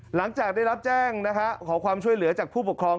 หลังจากได้รับแจ้งนะฮะขอความช่วยเหลือจากผู้ปกครอง